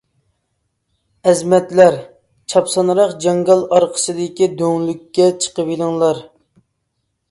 -ئەزىمەتلەر، چاپسانراق جاڭگال ئارقىسىدىكى دۆڭلۈككە چىقىۋېلىڭلار!